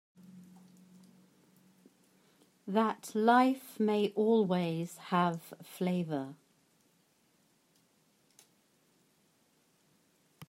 That life may always have flavor.